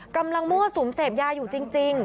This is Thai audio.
กำลังมั่วสูมเสพยาอยู่จริง